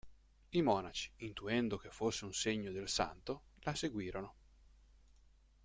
I monaci, intuendo che fosse un segno del santo, la seguirono.